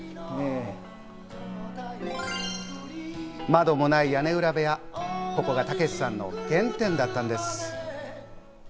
窓もない屋根裏部屋、ここがたけしさんの原点だったんです。